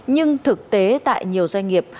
nhưng thực tế tại nhiều doanh nghiệp